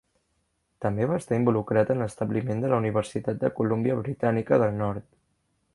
També va estar involucrat en l'establiment de la Universitat de Colúmbia Britànica del Nord.